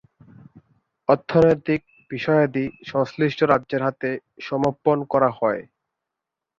অর্থনৈতিক বিষয়াদি সংশ্লিষ্ট রাজ্যের হাতে সমর্পণ করা হয়য়।